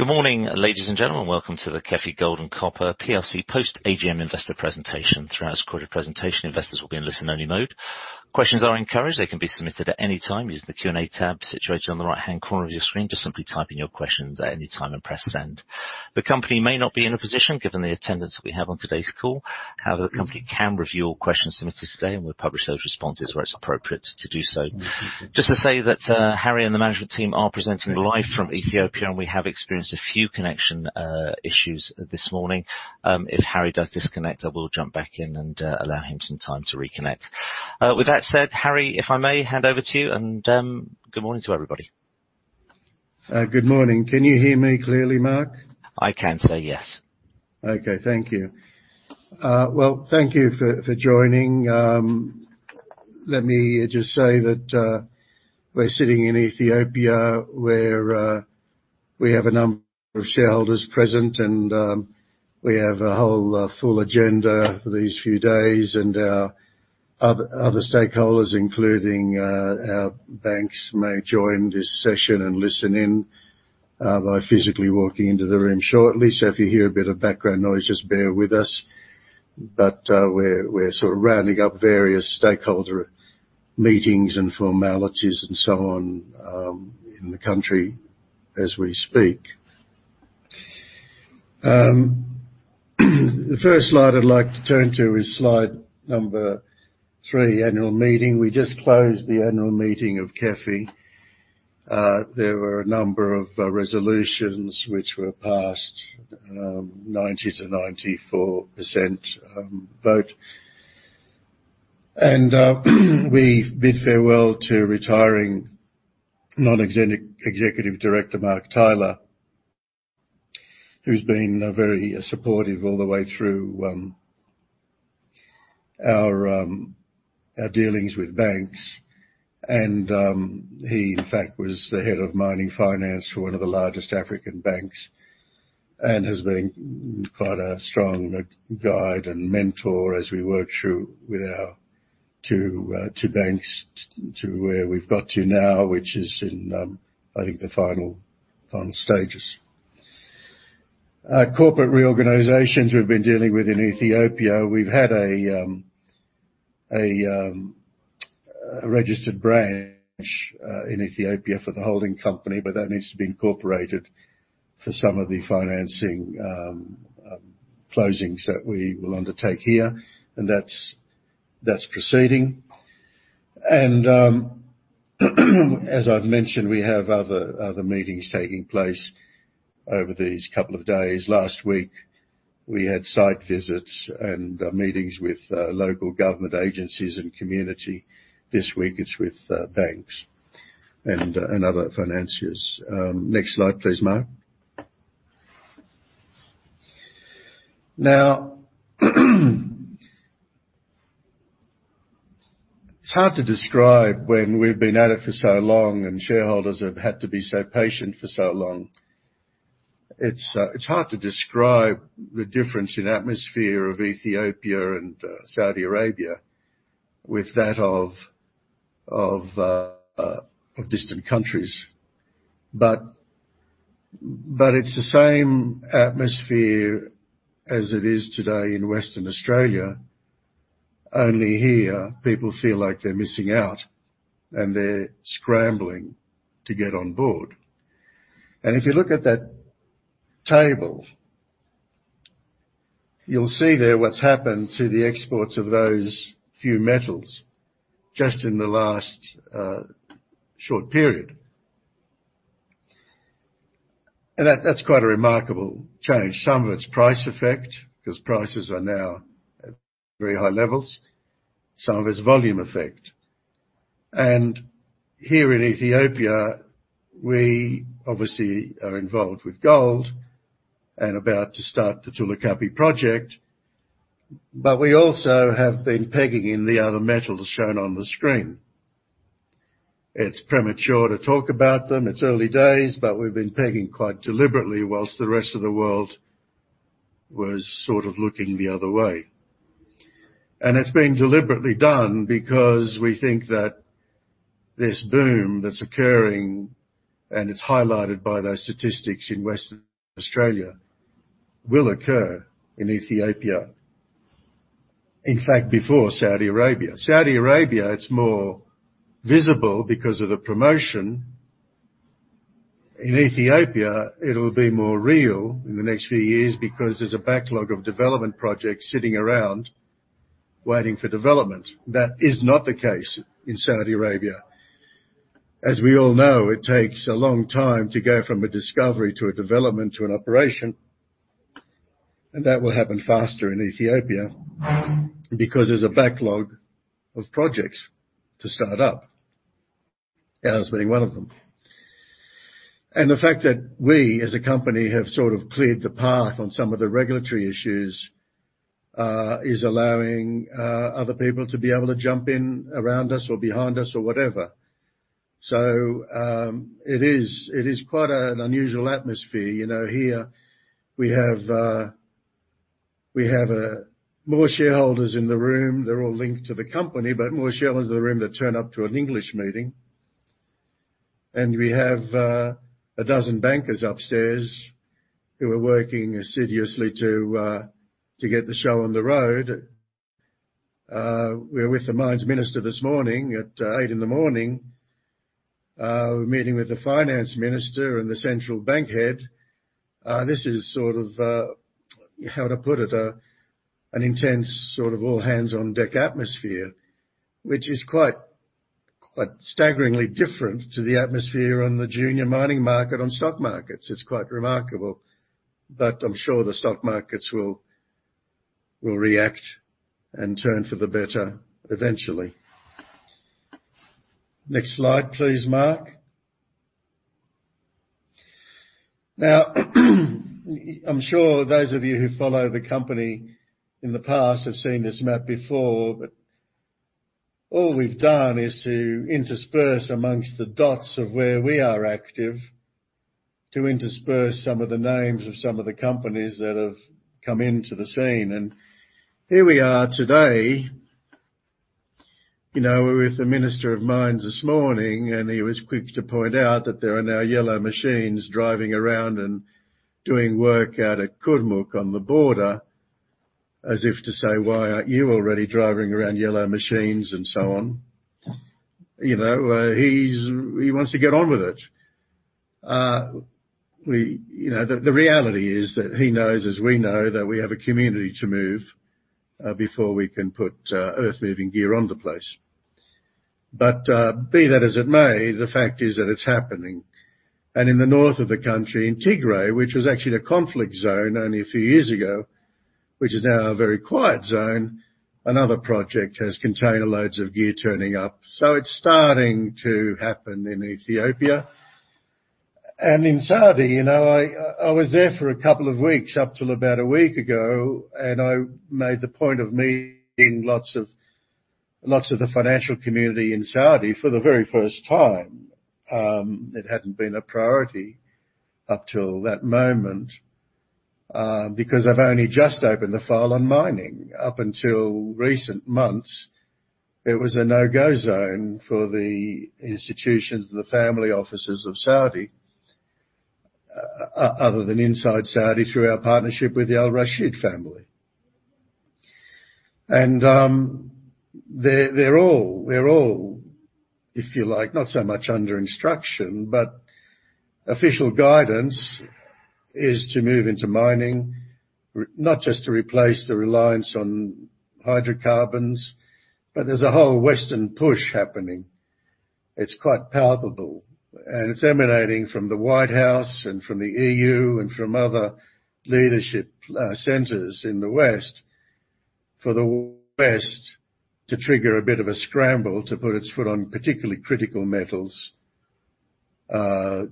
Good morning, ladies and gentlemen. Welcome to the KEFI Gold and Copper Plc post-AGM investor presentation. Throughout this recorded presentation, investors will be in listen-only mode. Questions are encouraged. They can be submitted at any time using the Q&A tab situated on the right-hand corner of your screen. Just simply type in your questions at any time and press Send. The company may not be in a position, given the attendance we have on today's call. However, the company can review all questions submitted today, and we'll publish those responses where it's appropriate to do so. Just to say that, Harry and the management team are presenting live from Ethiopia, and we have experienced a few connection issues this morning. If Harry does disconnect, I will jump back in and allow him some time to reconnect. With that said, Harry, if I may hand over to you and good morning to everybody. Good morning. Can you hear me clearly, Mark? I can, sir, yes. Okay. Thank you. Well, thank you for joining. Let me just say that, we're sitting in Ethiopia, where, we have a number of shareholders present, and, we have a whole full agenda for these few days. Our other stakeholders, including, our banks, may join this session and listen in, by physically walking into the room shortly. If you hear a bit of background noise, just bear with us. We're sort of rounding up various stakeholder meetings and formalities and so on, in the country as we speak. The first slide I'd like to turn to is slide number 3, annual meeting. We just closed the annual meeting of KEFI. There were a number of resolutions which were passed, 90%-94% vote. We bid farewell to retiring Non-Executive Director, Mark Tyler, who's been very supportive all the way through our dealings with banks. He, in fact, was the head of mining finance for one of the largest African banks and has been quite a strong guide and mentor as we work through with our two banks to where we've got to now, which is in I think the final stages. Corporate reorganizations we've been dealing with in Ethiopia. We've had a registered branch in Ethiopia for the holding company, but that needs to be incorporated for some of the financing closings that we will undertake here. That's proceeding. As I've mentioned, we have other meetings taking place over these couple of days. Last week, we had site visits and meetings with local government agencies and community. This week it's with banks and other financiers. Next slide, please, Mark. Now, it's hard to describe when we've been at it for so long, and shareholders have had to be so patient for so long. It's hard to describe the difference in atmosphere of Ethiopia and Saudi Arabia with that of distant countries. It's the same atmosphere as it is today in Western Australia. Only here, people feel like they're missing out, and they're scrambling to get on board. If you look at that table, you'll see there what's happened to the exports of those few metals just in the last short period. That's quite a remarkable change. Some of it's price effect, because prices are now at very high levels. Some of it's volume effect. Here in Ethiopia, we obviously are involved with gold and about to start the Tulu Kapi project. We also have been pegging in the other metals shown on the screen. It's premature to talk about them. It's early days, but we've been pegging quite deliberately while the rest of the world was sort of looking the other way. It's been deliberately done because we think that this boom that's occurring, and it's highlighted by those statistics in Western Australia, will occur in Ethiopia. In fact, before Saudi Arabia. Saudi Arabia, it's more visible because of the promotion. In Ethiopia, it'll be more real in the next few years because there's a backlog of development projects sitting around waiting for development. That is not the case in Saudi Arabia. As we all know, it takes a long time to go from a discovery to a development to an operation, and that will happen faster in Ethiopia because there's a backlog of projects to start up. Ours being one of them. The fact that we, as a company, have sort of cleared the path on some of the regulatory issues is allowing other people to be able to jump in around us or behind us or whatever. It is quite an unusual atmosphere. You know, here we have more shareholders in the room. They're all linked to the company, but more shareholders in the room that turn up to an English meeting. We have a dozen bankers upstairs who are working assiduously to get the show on the road. We're with the Mines Minister this morning at 8:00 A.M. We're meeting with the Finance Minister and the central bank head. This is sort of, how to put it, an intense sort of all-hands-on-deck atmosphere, which is quite staggeringly different to the atmosphere on the junior mining market on stock markets. It's quite remarkable. I'm sure the stock markets will react and turn for the better eventually. Next slide, please, Mark. Now, I'm sure those of you who follow the company in the past have seen this map before, but all we've done is to intersperse amongst the dots of where we are active, to intersperse some of the names of some of the companies that have come into the scene. Here we are today. You know, we're with the Minister of Mines this morning, and he was quick to point out that there are now yellow machines driving around and doing work out at Kurmuk on the border, as if to say, "Why aren't you already driving around yellow machines?" and so on. You know, he wants to get on with it. You know, the reality is that he knows as we know that we have a community to move before we can put earth-moving gear on the place. But be that as it may, the fact is that it's happening. In the north of the country, in Tigray, which was actually a conflict zone only a few years ago, which is now a very quiet zone, another project has container loads of gear turning up. It's starting to happen in Ethiopia. In Saudi, you know, I was there for a couple of weeks up till about a week ago, and I made the point of meeting lots of the financial community in Saudi for the very first time. It hadn't been a priority up till that moment, because I've only just opened the file on mining. Up until recent months, it was a no-go zone for the institutions and the family offices of Saudi, other than inside Saudi, through our partnership with the Al Rashid family. They're all, if you like, not so much under instruction, but official guidance is to move into mining, not just to replace the reliance on hydrocarbons, but there's a whole Western push happening. It's quite palpable, and it's emanating from the White House and from the EU and from other leadership centers in the West. For the West to trigger a bit of a scramble to put its foot on particularly critical metals, you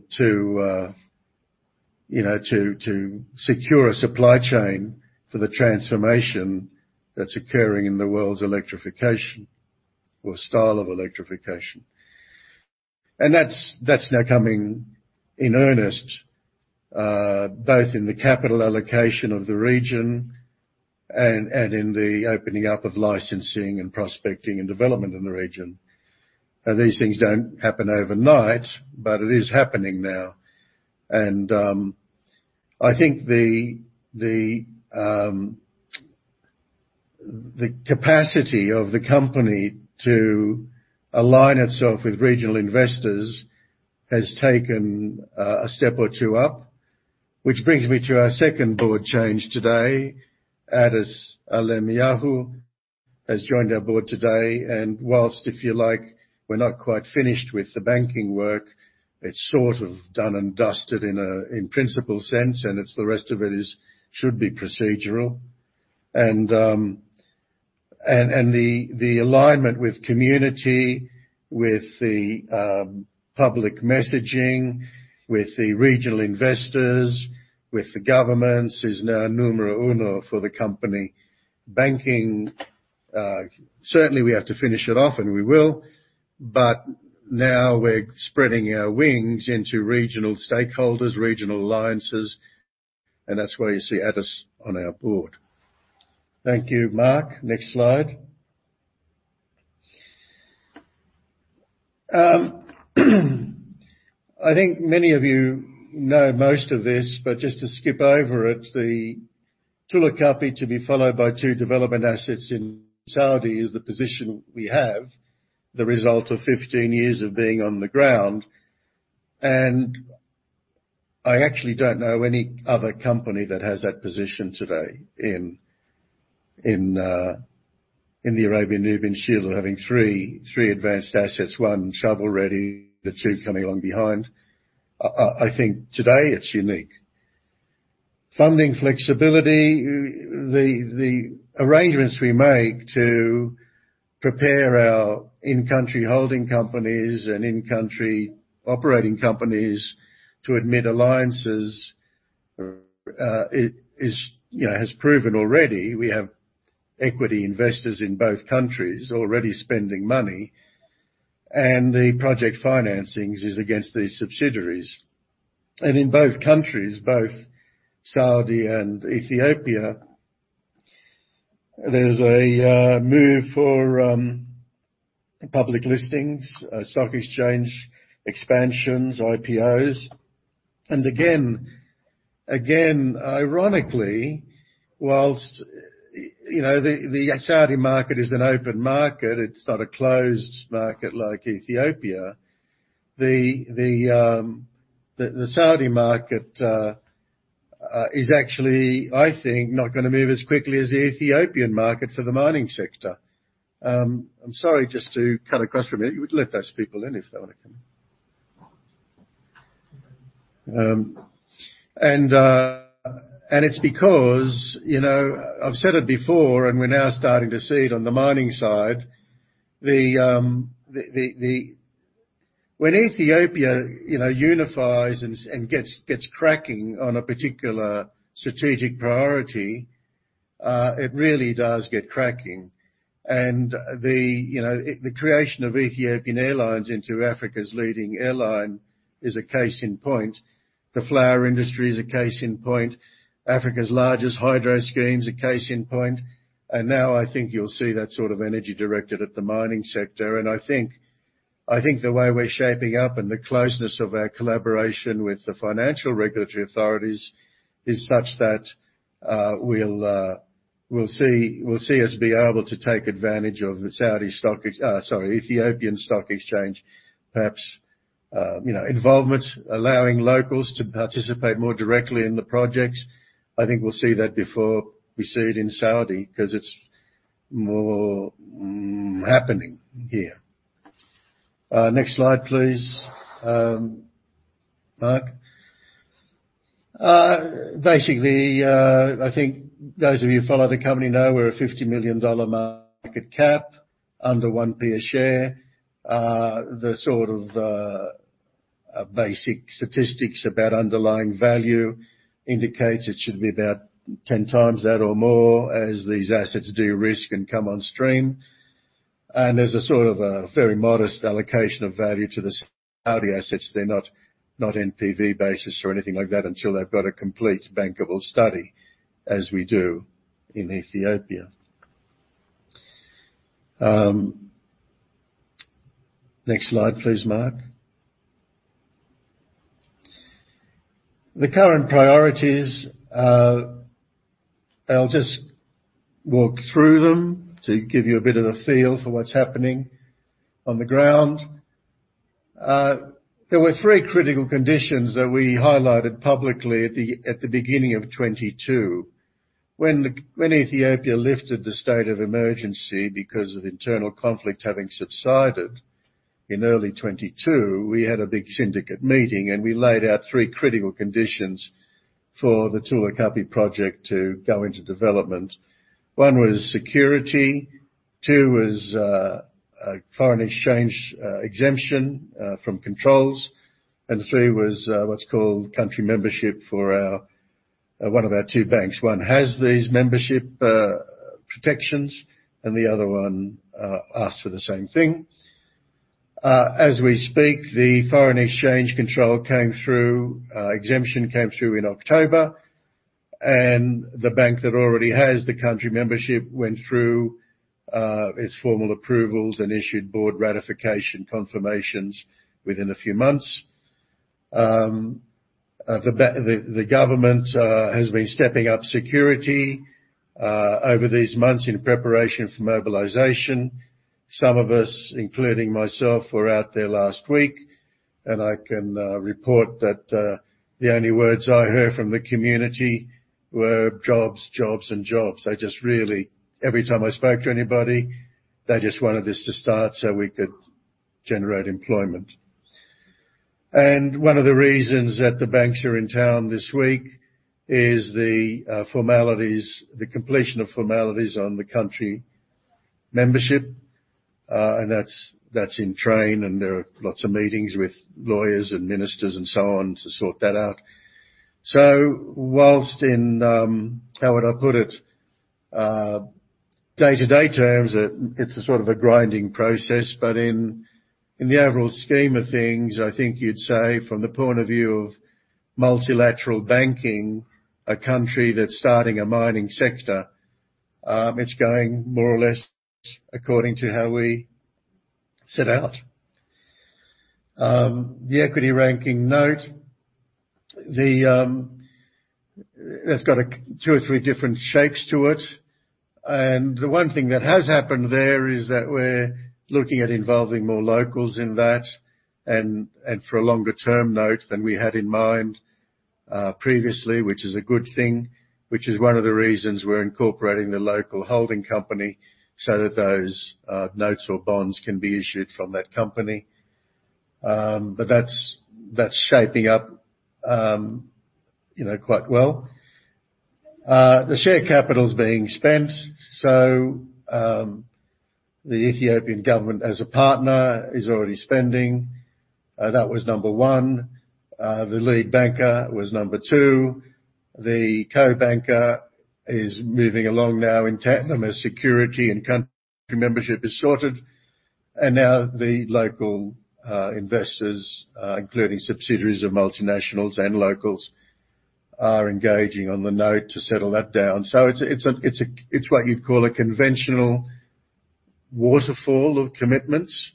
know, to secure a supply chain for the transformation that's occurring in the world's electrification or style of electrification. That's now coming in earnest, both in the capital allocation of the region and in the opening up of licensing and prospecting and development in the region. These things don't happen overnight, but it is happening now. I think the capacity of the company to align itself with regional investors has taken a step or two up. Which brings me to our second board change today. Addis Alemayehu has joined our board today, and while, if you like, we're not quite finished with the banking work, it's sort of done and dusted in a in-principle sense, and the rest of it should be procedural. The alignment with community, with the public messaging, with the regional investors, with the governments is now numero uno for the company. Banking certainly we have to finish it off, and we will. Now we're spreading our wings into regional stakeholders, regional alliances, and that's why you see Addis on our board. Thank you. Mark, next slide. I think many of you know most of this, but just to skip over it, the Tulu Kapi, to be followed by two development assets in Saudi, is the position we have the result of 15 years of being on the ground. I actually don't know any other company that has that position today in the Arabian-Nubian Shield of having three advanced assets, one shovel ready, the two coming along behind. I think today it's unique. Funding flexibility. The arrangements we make to prepare our in-country holding companies and in-country operating companies to admit alliances is, you know, has proven already we have equity investors in both countries already spending money, and the project financings is against these subsidiaries. In both countries, both Saudi and Ethiopia, there's a move for public listings, stock exchange expansions, IPOs. Again, ironically, whilst, you know, the Saudi market is an open market, it's not a closed market like Ethiopia. The Saudi market is actually, I think, not gonna move as quickly as the Ethiopian market for the mining sector. I'm sorry, just to cut across from you. Let those people in if they wanna come in. It's because, you know, I've said it before, and we're now starting to see it on the mining side. When Ethiopia, you know, unifies and gets cracking on a particular strategic priority, it really does get cracking. The creation of Ethiopian Airlines into Africa's leading airline is a case in point. The flower industry is a case in point. Africa's largest hydro scheme is a case in point. Now I think you'll see that sort of energy directed at the mining sector. I think the way we're shaping up and the closeness of our collaboration with the financial regulatory authorities is such that we'll see us be able to take advantage of the Ethiopian Securities Exchange, perhaps, you know, involvement, allowing locals to participate more directly in the projects. I think we'll see that before we see it in Saudi 'cause it's more happening here. Next slide, please, Mark. I think those of you who follow the company know we're a $50 million market cap under one pence share. The basic statistics about underlying value indicates it should be about 10 times that or more as these assets de-risk and come on stream. There's a sort of a very modest allocation of value to the Saudi assets. They're not NPV basis or anything like that until they've got a complete bankable study as we do in Ethiopia. Next slide, please, Mark. The current priorities, I'll just walk through them to give you a bit of a feel for what's happening on the ground. There were three critical conditions that we highlighted publicly at the beginning of 2022. When Ethiopia lifted the state of emergency because of internal conflict having subsided in early 2022, we had a big syndicate meeting, and we laid out three critical conditions for the Tulu Kapi project to go into development. One was security, two was foreign exchange exemption from controls, and three was what's called country membership for one of our two banks. One has these membership protections, and the other one asked for the same thing. As we speak, the foreign exchange control exemption came through in October, and the bank that already has the country membership went through its formal approvals and issued board ratification confirmations within a few months. The government has been stepping up security over these months in preparation for mobilization. Some of us, including myself, were out there last week, and I can report that the only words I heard from the community were jobs, and jobs. They just really, every time I spoke to anybody, they just wanted us to start so we could generate employment. One of the reasons that the banks are in town this week is the formalities, the completion of formalities on the country membership, and that's in train, and there are lots of meetings with lawyers and ministers and so on to sort that out. While in, how would I put it? Day-to-day terms, it's a sort of a grinding process, but in the overall scheme of things, I think you'd say from the point of view of multilateral banking, a country that's starting a mining sector, it's going more or less according to how we set out. The equity ranking note. It's got two or three different shapes to it. The one thing that has happened there is that we're looking at involving more locals in that and for a longer-term note than we had in mind previously, which is a good thing, which is one of the reasons we're incorporating the local holding company so that those notes or bonds can be issued from that company. That's shaping up, you know, quite well. The share capital is being spent, so the Ethiopian government as a partner is already spending. That was number one. The lead banker was number two. The co-banker is moving along now in tandem as security and country membership is sorted. Now the local investors including subsidiaries of multinationals and locals are engaging on the note to settle that down. It's what you'd call a conventional waterfall of commitments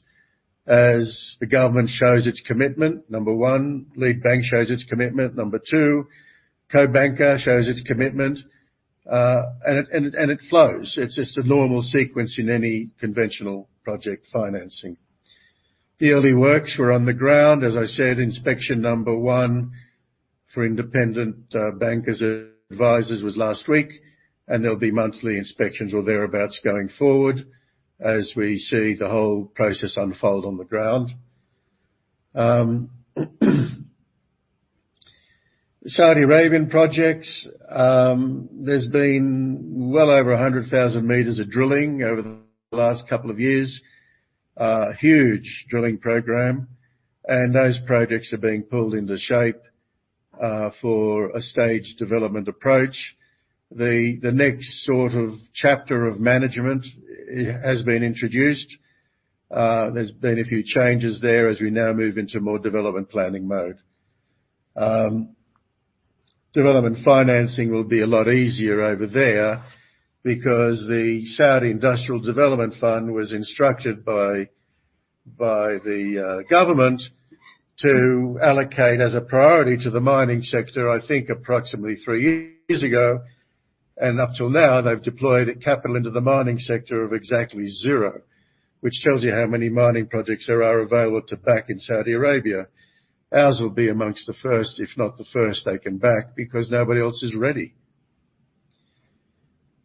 as the government shows its commitment, number one, lead bank shows its commitment, number two, co-banker shows its commitment, and it flows. It's just a normal sequence in any conventional project financing. The early works were on the ground. As I said, inspection number one for independent bankers and advisors was last week, and there'll be monthly inspections or thereabouts going forward as we see the whole process unfold on the ground. The Saudi Arabian projects, there's been well over 100,000 meters of drilling over the last couple of years. A huge drilling program. Those projects are being pulled into shape for a stage development approach. The next sort of chapter of management has been introduced. There's been a few changes there as we now move into more development planning mode. Development financing will be a lot easier over there because the Saudi Industrial Development Fund was instructed by the government to allocate as a priority to the mining sector, I think approximately three years ago. Up till now, they've deployed capital into the mining sector of exactly zero, which tells you how many mining projects there are available to back in Saudi Arabia. Ours will be amongst the first, if not the first they can back because nobody else is ready.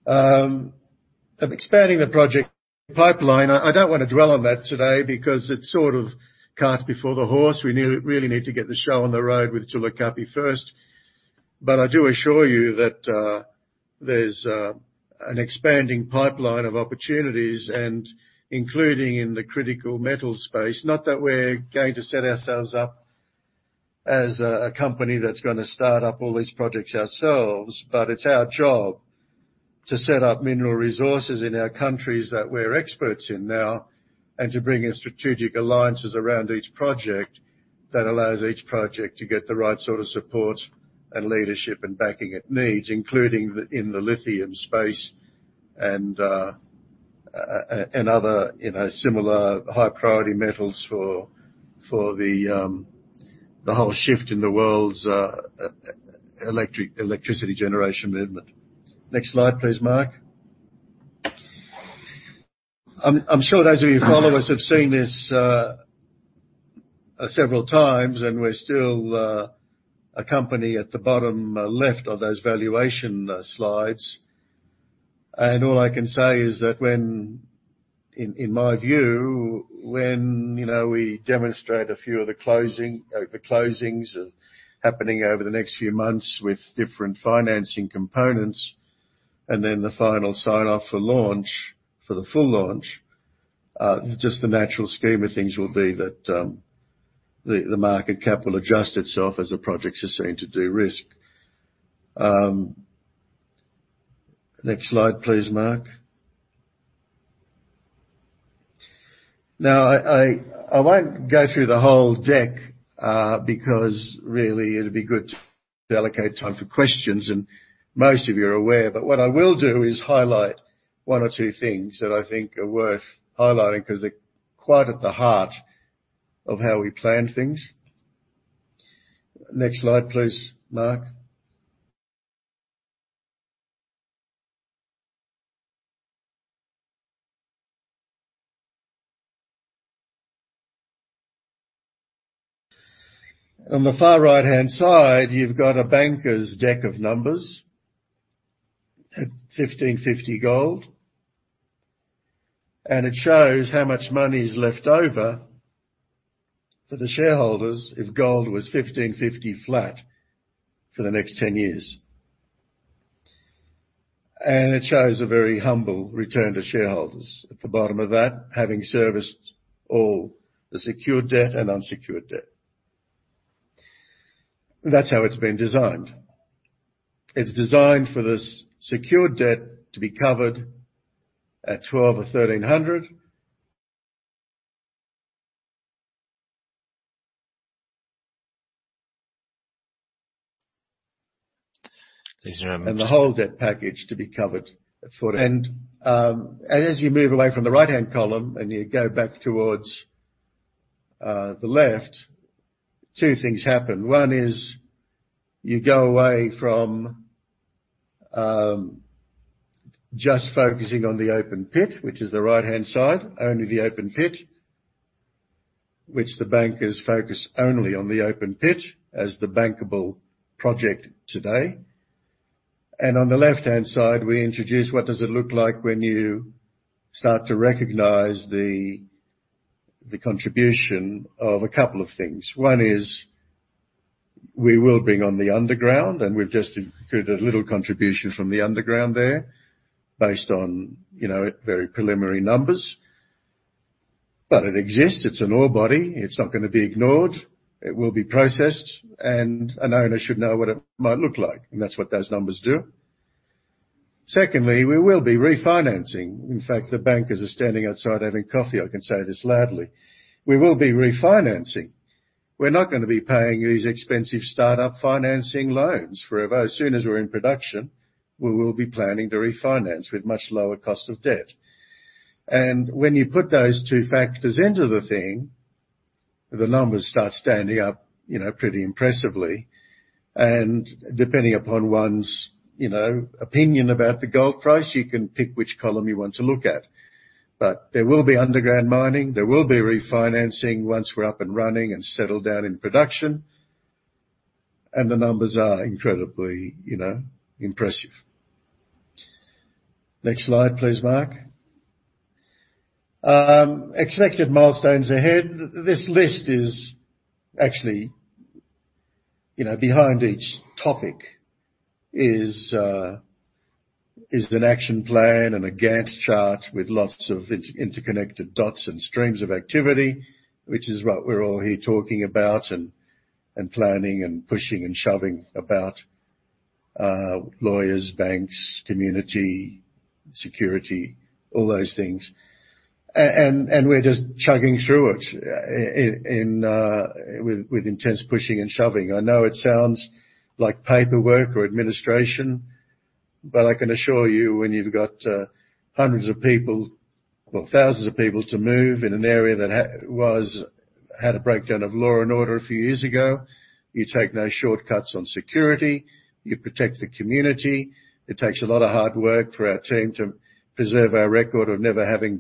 Of expanding the project pipeline, I don't wanna dwell on that today because it's sort of cart before the horse. We really need to get the show on the road with Tulu Kapi first. I do assure you that there's an expanding pipeline of opportunities including in the critical metal space. Not that we're going to set ourselves up as a company that's gonna start up all these projects ourselves, but it's our job to set up mineral resources in our countries that we're experts in now and to bring in strategic alliances around each project that allows each project to get the right sort of support and leadership and backing it needs, including in the lithium space and other, you know, similar high priority metals for the whole shift in the world's electricity generation movement. Next slide, please, Mark. I'm sure those of you who follow us have seen this several times, and we're still a company at the bottom left of those valuation slides. All I can say is that in my view, when, you know, we demonstrate a few of the closings happening over the next few months with different financing components and then the final sign-off for launch, for the full launch, just the natural scheme of things will be that the market cap will adjust itself as the projects are seen to de-risk. Next slide, please, Mark. Now, I won't go through the whole deck because really it'll be good to allocate time for questions, and most of you are aware. What I will do is highlight one or two things that I think are worth highlighting 'cause they're quite at the heart of how we plan things. Next slide, please, Mark. On the far right-hand side, you've got a banker's deck of numbers at $1,550 gold, and it shows how much money is left over for the shareholders if gold was $1,550 flat for the next 10 years. It shows a very humble return to shareholders at the bottom of that, having serviced all the secured debt and unsecured debt. That's how it's been designed. It's designed for this secured debt to be covered at $1,200 or $1,300. Please remember. The whole debt package to be covered at 14%. As you move away from the right-hand column and you go back towards the left, two things happen. One is you go away from just focusing on the open-pit, which is the right-hand side, only the open-pit, which the bankers focus only on the open-pit as the bankable project today. On the left-hand side, we introduce what does it look like when you start to recognize the contribution of a couple of things. One is we will bring on the underground, and we've just included a little contribution from the underground there based on, you know, very preliminary numbers. It exists. It's an ore body. It's not gonna be ignored. It will be processed, and an owner should know what it might look like. That's what those numbers do. Secondly, we will be refinancing. In fact, the bankers are standing outside having coffee. I can say this loudly. We will be refinancing. We're not gonna be paying these expensive startup financing loans forever. As soon as we're in production, we will be planning to refinance with much lower cost of debt. When you put those two factors into the thing, the numbers start standing up, you know, pretty impressively. Depending upon one's, you know, opinion about the gold price, you can pick which column you want to look at. There will be underground mining, there will be refinancing once we're up and running and settled down in production. The numbers are incredibly, you know, impressive. Next slide, please, Mark. Expected milestones ahead. This list is actually, you know, behind each topic is an action plan and a Gantt chart with lots of interconnected dots and streams of activity, which is what we're all here talking about and planning and pushing and shoving about lawyers, banks, community, security, all those things. We're just chugging through it in, with intense pushing and shoving. I know it sounds like paperwork or administration, but I can assure you, when you've got hundreds of people or thousands of people to move in an area that had a breakdown of law and order a few years ago, you take no shortcuts on security. You protect the community. It takes a lot of hard work for our team to preserve our record of never having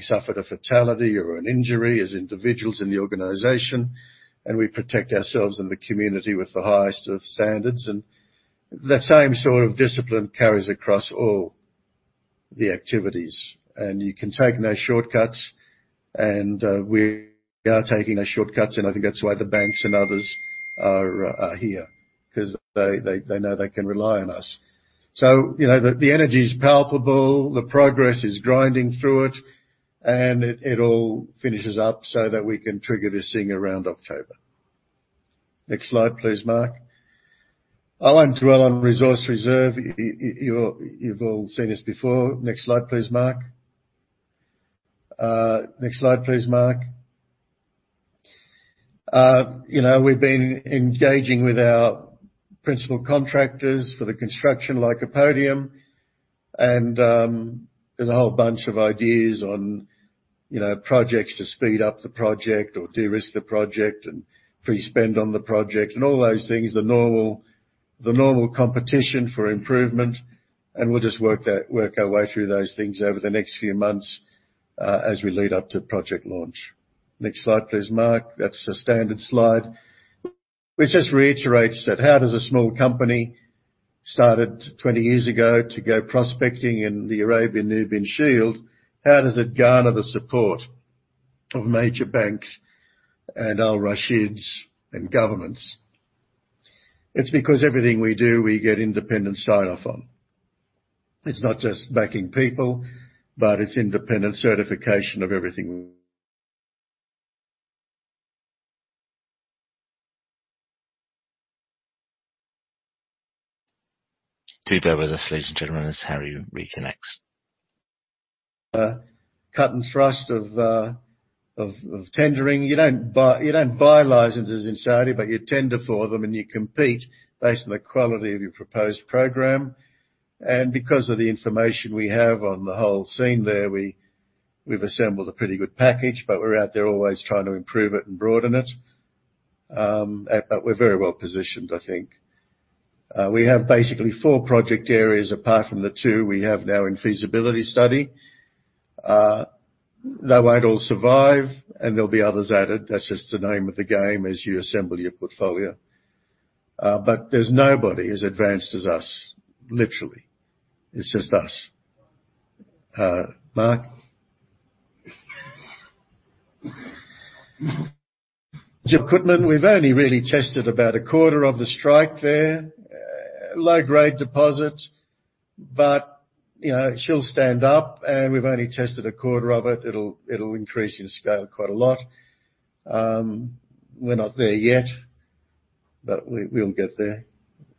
suffered a fatality or an injury as individuals in the organization. We protect ourselves and the community with the highest of standards. The same sort of discipline carries across all the activities. You can take no shortcuts. We are taking no shortcuts, and I think that's why the banks and others are here, 'cause they know they can rely on us. You know, the energy is palpable, the progress is grinding through it, and it all finishes up so that we can trigger this thing around October. Next slide, please, Mark. I won't dwell on resource reserve. You've all seen this before. Next slide, please, Mark. Next slide, please, Mark. You know, we've been engaging with our principal contractors for the construction like Lycopodium. There's a whole bunch of ideas on, you know, projects to speed up the project or de-risk the project and pre-spend on the project and all those things, the normal competition for improvement. We'll just work our way through those things over the next few months, as we lead up to project launch. Next slide, please, Mark. That's a standard slide, which just reiterates that how does a small company, started 20 years ago, to go prospecting in the Arabian-Nubian Shield, how does it garner the support of major banks and Al-Rashids and governments? It's because everything we do, we get independent sign-off on. It's not just backing people, but it's independent certification of everything. Do bear with us, ladies and gentlemen, as Harry reconnects. Cut and thrust of tendering. You don't buy licenses in Saudi, but you tender for them, and you compete based on the quality of your proposed program. Because of the information we have on the whole scene there, we've assembled a pretty good package, but we're out there always trying to improve it and broaden it. We're very well-positioned, I think. We have basically four project areas apart from the two we have now in feasibility study. They won't all survive, and there'll be others added. That's just the name of the game as you assemble your portfolio. There's nobody as advanced as us, literally. It's just us. Mark. Jabal Qutman, we've only really tested about a quarter of the strike there. Low-grade deposits, but you know, she'll stand up, and we've only tested a quarter of it. It'll increase in scale quite a lot. We're not there yet, but we'll get there.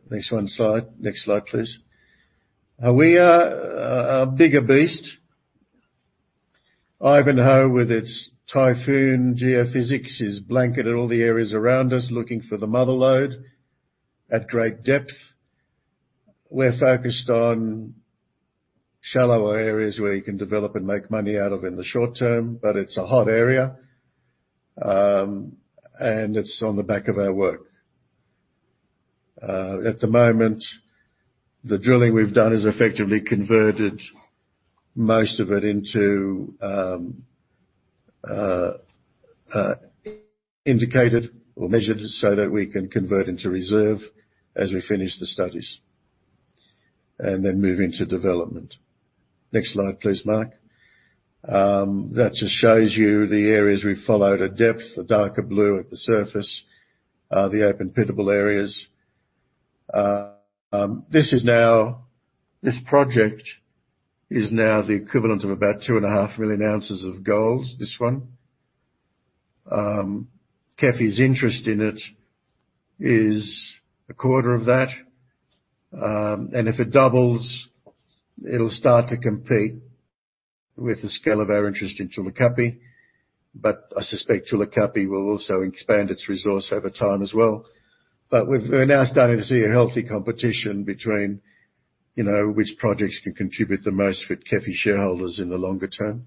Next slide. Next slide, please. We are a bigger beast. Ivanhoe, with its Typhoon geophysics, has blanketed all the areas around us, looking for the mother lode at great depth. We're focused on shallower areas where you can develop and make money out of in the short term, but it's a hot area, and it's on the back of our work. At the moment, the drilling we've done has effectively converted most of it into indicated or measured so that we can convert into reserve as we finish the studies and then move into development. Next slide, please, Mark. That just shows you the areas we've followed at depth. The darker blue at the surface are the open-pit areas. This project is now the equivalent of about 2.5 million ounces of gold, this one. KEFI's interest in it is a quarter of that. If it doubles, it'll start to compete with the scale of our interest in Tulu Kapi. I suspect Tulu Kapi will also expand its resource over time as well. We're now starting to see a healthy competition between, you know, which projects can contribute the most for KEFI shareholders in the longer term.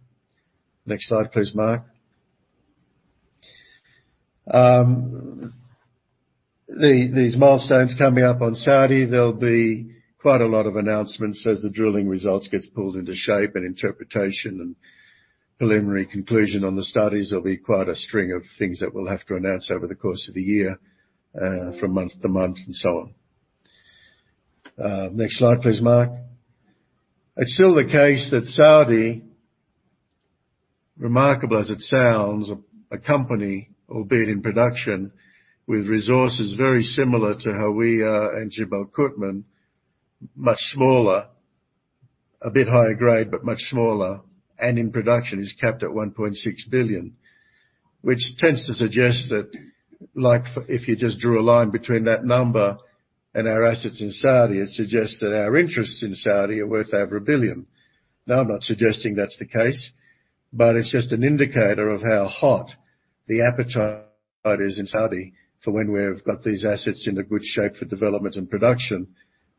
Next slide, please, Mark. These milestones coming up on Saudi, there'll be quite a lot of announcements as the drilling results gets pulled into shape and interpretation and preliminary conclusion on the studies. There'll be quite a string of things that we'll have to announce over the course of the year, from month to month and so on. Next slide, please, Mark. It's still the case that Saudi, remarkable as it sounds, a company, albeit in production, with resources very similar to Hawiah and Jabal Qutman, much smaller, a bit higher grade, but much smaller, and in production, is capped at $1.6 billion. Which tends to suggest that if you just drew a line between that number and our assets in Saudi, it suggests that our interests in Saudi are worth over $1 billion. Now, I'm not suggesting that's the case, but it's just an indicator of how hot the appetite is in Saudi for when we've got these assets into good shape for development and production,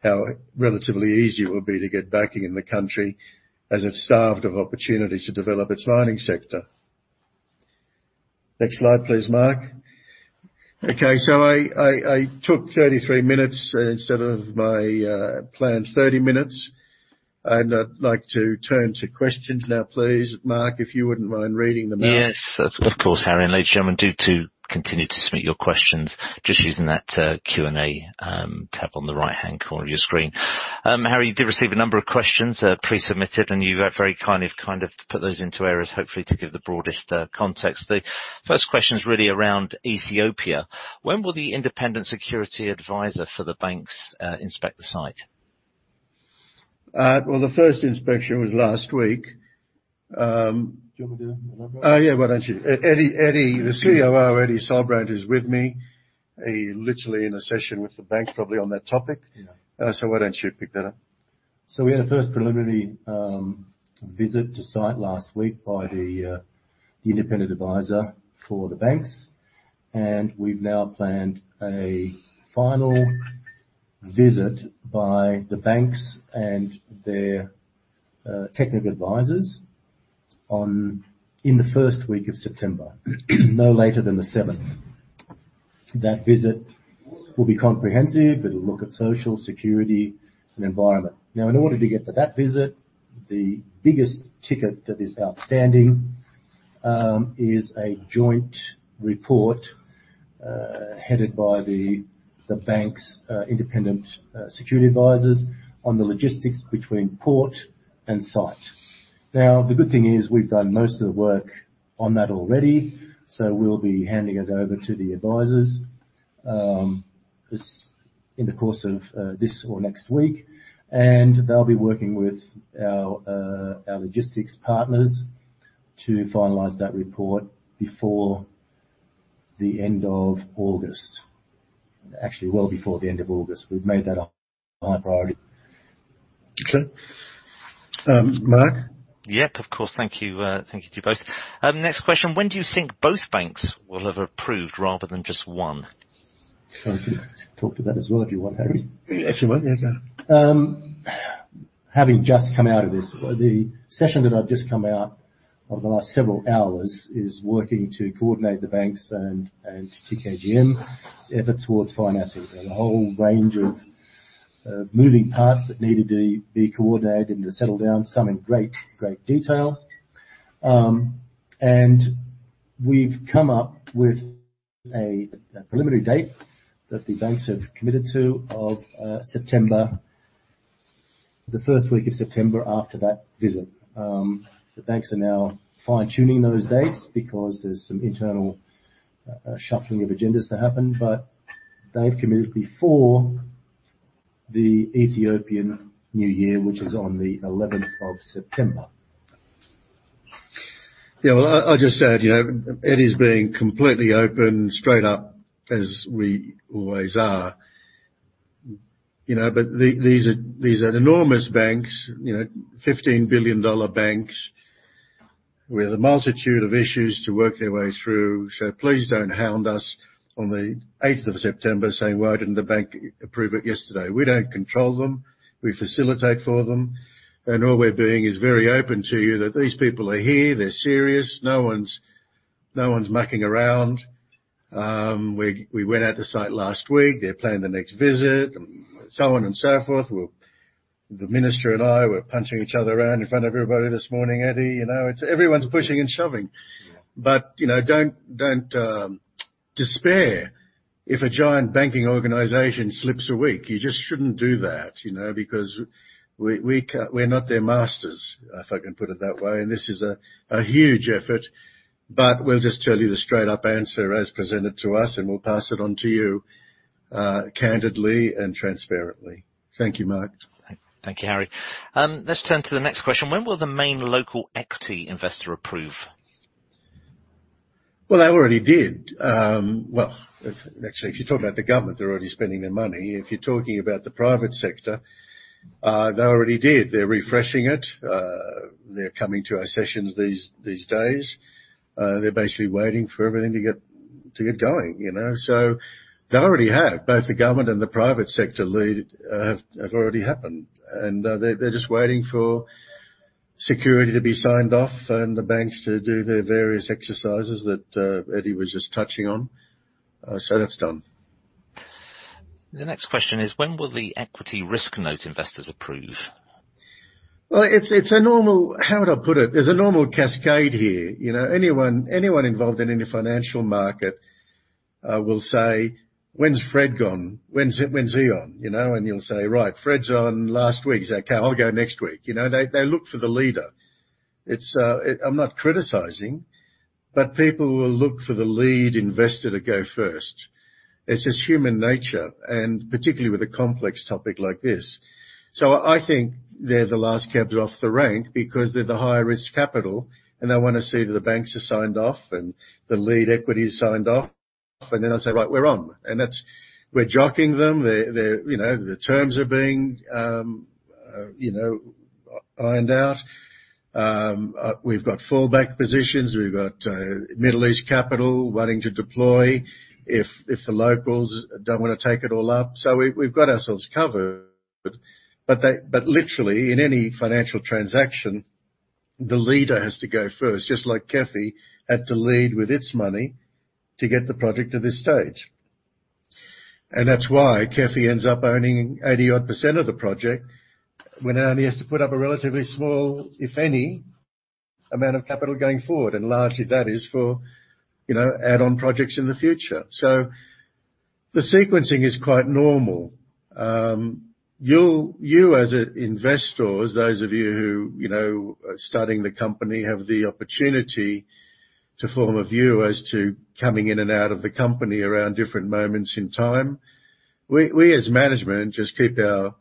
how relatively easy it will be to get backing in the country as it's starved of opportunities to develop its mining sector. Next slide, please, Mark. Okay, so I took 33 minutes instead of my planned 30 minutes, and I'd like to turn to questions now, please. Mark, if you wouldn't mind reading them out. Yes, of course, Harry. Ladies and gentlemen, do continue to submit your questions just using that Q&A tab on the right-hand corner of your screen. Harry, you did receive a number of questions pre-submitted, and you have very kindly kind of put those into areas, hopefully to give the broadest context. The first question is really around Ethiopia. When will the independent security advisor for the banks inspect the site? Well, the first inspection was last week. Do you want me to do that one? Oh, yeah. Why don't you? Eddie, the COO, Eddy Solbrandt, is with me. He literally in a session with the bank, probably on that topic. Yeah. Why don't you pick that up? We had a first preliminary visit to site last week by the independent advisor for the banks, and we've now planned a final visit by the banks and their technical advisors in the first week of September, no later than the seventh. That visit will be comprehensive. It'll look at social, security, and environment. In order to get to that visit, the biggest ticket that is outstanding is a joint report headed by the bank's independent security advisors on the logistics between port and site. The good thing is we've done most of the work on that already, so we'll be handing it over to the advisors in the course of this or next week. They'll be working with our logistics partners to finalize that report before the end of August. Actually, well before the end of August. We've made that a high priority. Okay. Mark? Yep. Of course. Thank you to you both. Next question. When do you think both banks will have approved rather than just one? I can talk to that as well, if you want, Harry. If you want, yeah, go ahead. Having just come out of the session over the last several hours working to coordinate the banks and TKGM's effort towards financing. There's a whole range of moving parts that needed to be coordinated and to settle down, some in great detail. We've come up with a preliminary date that the banks have committed to, the first week of September after that visit. The banks are now fine-tuning those dates because there's some internal shuffling of agendas to happen. They've committed before the Ethiopian New Year, which is on the eleventh of September. Yeah. Well, I'll just add, you know, Eddie's being completely open, straight up, as we always are. You know, these are enormous banks, you know, $15 billion banks with a multitude of issues to work their way through. Please don't hound us on the eighth of September saying, "Why didn't the bank approve it yesterday?" We don't control them. We facilitate for them. All we're being is very open to you that these people are here. They're serious. No one's mucking around. We went out to site last week. They're planning the next visit and so on and so forth. The minister and I were punching each other around in front of everybody this morning, Eddie, you know. It's everyone's pushing and shoving. Yeah. You know, don't despair if a giant banking organization slips a week. You just shouldn't do that, you know, because we're not their masters, if I can put it that way. This is a huge effort. We'll just tell you the straight-up answer as presented to us, and we'll pass it on to you, candidly and transparently. Thank you, Mark. Thank you, Harry. Let's turn to the next question. When will the main local equity investor approve? Well, they already did. Well, actually, if you're talking about the government, they're already spending their money. If you're talking about the private sector, they already did. They're refreshing it. They're coming to our sessions these days. They're basically waiting for everything to get going, you know. They already have. Both the government and the private sector lead have already happened. They're just waiting for security to be signed off and the banks to do their various exercises that Eddie was just touching on. That's done. The next question is, when will the equity risk premium investors approve? Well, it's a normal. How would I put it? There's a normal cascade here. You know, anyone involved in any financial market will say, "When's Fred gone? When's he on?" You know? You'll say, "Right, Fred's on last week." He'll say, "Okay, I'll go next week." You know, they look for the leader. It's it. I'm not criticizing, but people will look for the lead investor to go first. It's just human nature, and particularly with a complex topic like this. I think they're the last cab off the rank because they're the higher risk capital, and they wanna see that the banks are signed off and the lead equity is signed off, and then they'll say, "Right, we're on." We're jocking them. They're You know, the terms are being ironed out. We've got fallback positions. We've got Middle East capital wanting to deploy if the locals don't wanna take it all up. We've got ourselves covered. Literally, in any financial transaction, the leader has to go first. Just like KEFI had to lead with its money to get the project to this stage. That's why KEFI ends up owning 80-odd% of the project when it only has to put up a relatively small, if any, amount of capital going forward. Largely that is for, you know, add-on projects in the future. The sequencing is quite normal. You as investors, those of you who, you know, are studying the company, have the opportunity to form a view as to coming in and out of the company around different moments in time. We as management just keep our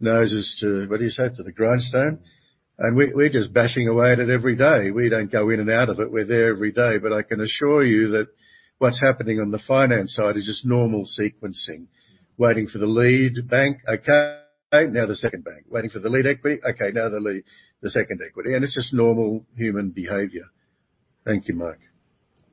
noses to, what do you say? To the grindstone. We're just bashing away at it every day. We don't go in and out of it. We're there every day. I can assure you that what's happening on the finance side is just normal sequencing. Waiting for the lead bank. Okay, now the second bank. Waiting for the lead equity. Okay, now the lead, the second equity. It's just normal human behavior. Thank you, Mark.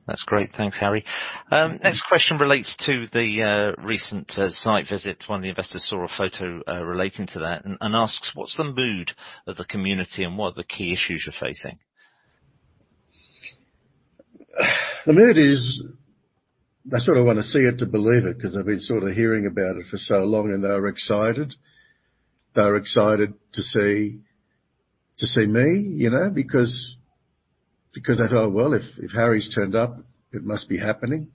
That's great. Thanks, Harry. Next question relates to the recent site visit. One of the investors saw a photo relating to that and asks: What's the mood of the community and what are the key issues you're facing? The mood is they sort of wanna see it to believe it, 'cause they've been sort of hearing about it for so long, and they are excited. They're excited to see me, you know, because they thought, "Well, if Harry's turned up, it must be happening."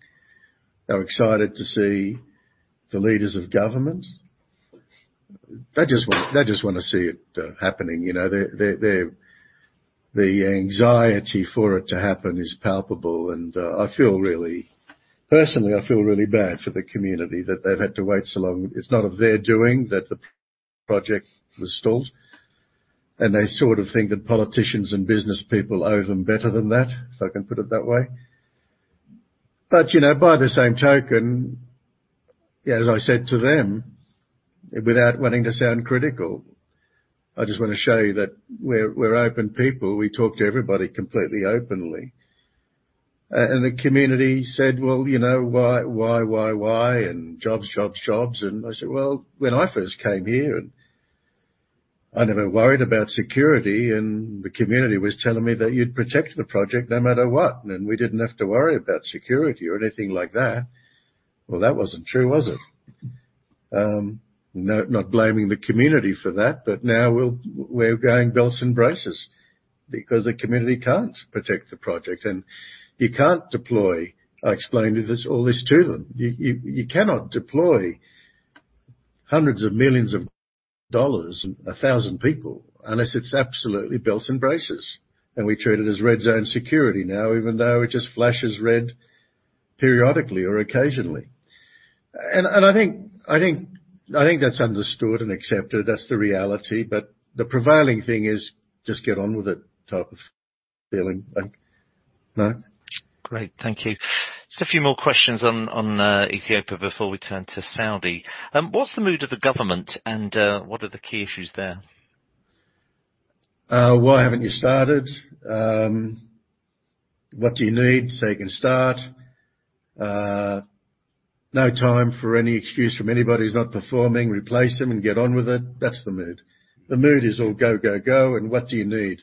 They're excited to see the leaders of government. They just wanna see it happening, you know. The anxiety for it to happen is palpable and, personally, I feel really bad for the community that they've had to wait so long. It's not of their doing that the project was stalled, and they sort of think that politicians and business people owe them better than that, if I can put it that way. You know, by the same token, as I said to them, without wanting to sound critical, I just wanna show you that we're open people. We talk to everybody completely openly. The community said, "Well, you know, why?" "Jobs." I said, "Well, when I first came here and I never worried about security, and the community was telling me that you'd protect the project no matter what, and we didn't have to worry about security or anything like that." Well, that wasn't true, was it? Not blaming the community for that, but now we're going belts and braces because the community can't protect the project. I explained all this to them. You cannot deploy $hundreds of millions and 1,000 people unless it's absolutely belts and braces. We treat it as red zone security now, even though it just flashes red periodically or occasionally. I think that's understood and accepted. That's the reality. The prevailing thing is just get on with it type of feeling. Like, no. Great. Thank you. Just a few more questions on Ethiopia before we turn to Saudi. What's the mood of the government and what are the key issues there? Why haven't you started? What do you need so you can start? No time for any excuse from anybody who's not performing. Replace them and get on with it." That's the mood. The mood is all go, go, and what do you need?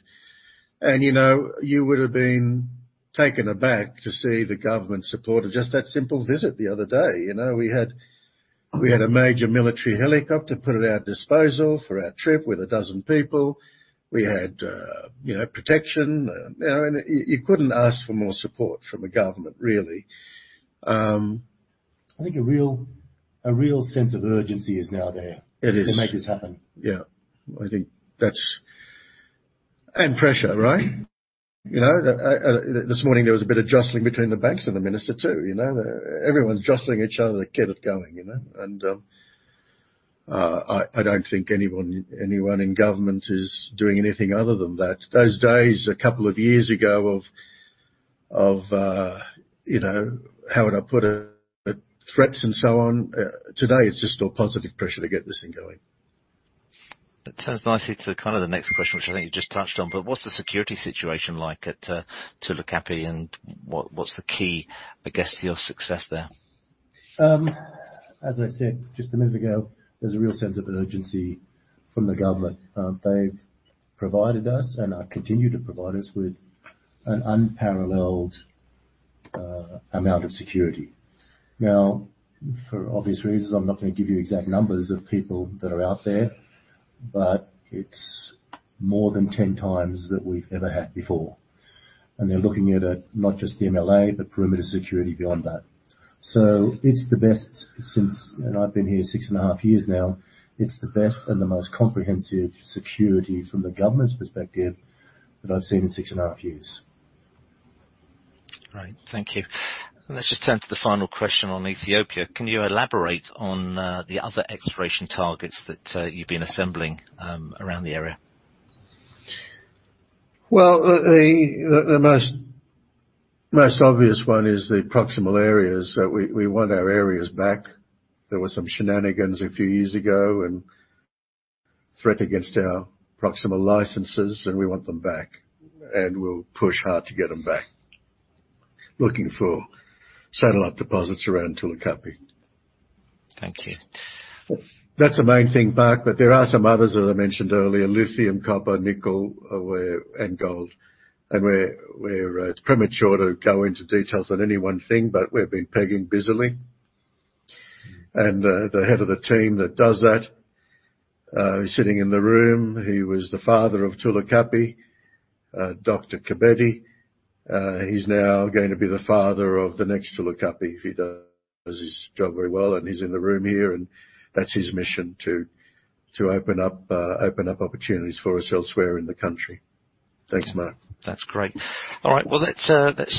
You know, you would have been taken aback to see the government support of just that simple visit the other day. You know, we had a major military helicopter put at our disposal for our trip with a dozen people. We had, you know, protection. You know, and you couldn't ask for more support from a government, really. I think a real sense of urgency is now there. It is. to make this happen. Yeah. I think that's and pressure, right? You know, this morning there was a bit of jostling between the banks and the minister, too, you know. Everyone's jostling each other to get it going, you know. I don't think anyone in government is doing anything other than that. Those days a couple of years ago, you know, how would I put it? Threats and so on, today it's just all positive pressure to get this thing going. That turns nicely to kind of the next question, which I think you just touched on, but what's the security situation like at Tulu Kapi and what's the key, I guess, to your success there? As I said just a minute ago, there's a real sense of an urgency from the government. They've provided us, and are continuing to provide us with an unparalleled amount of security. Now, for obvious reasons, I'm not gonna give you exact numbers of people that are out there, but it's more than 10 times that we've ever had before. They're looking at, not just the MLA, but perimeter security beyond that. It's the best since I've been here six and a half years now. It's the best and the most comprehensive security from the government's perspective that I've seen in six and a half years. Great. Thank you. Let's just turn to the final question on Ethiopia. Can you elaborate on the other exploration targets that you've been assembling around the area? Well, the most obvious one is the proximal areas that we want our areas back. There were some shenanigans a few years ago and a threat against our proximal licenses, and we want them back, and we'll push hard to get them back. Looking for satellite deposits around Tulu Kapi. Thank you. That's the main thing, Mark. There are some others that I mentioned earlier, lithium, copper, nickel, and gold. It's premature to go into details on any one thing, but we've been pegging busily. The head of the team that does that is sitting in the room. He was the father of Tulu Kapi, Kebede Belete. He's now going to be the father of the next Tulu Kapi if he does his job very well. He's in the room here, and that's his mission to open up opportunities for us elsewhere in the country. Thanks, Mark. That's great. All right. Well, let's